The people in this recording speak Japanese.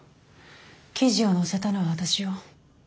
記事を載せたのは私よ。